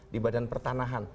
di badan pertanahan